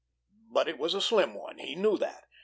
But it was a slim one. He knew that.